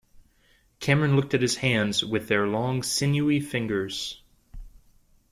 Cameron looked at his hands with their long, sinewy fingers.